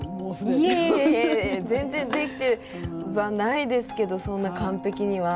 いえいえ全然できてはないですけどそんな完璧には。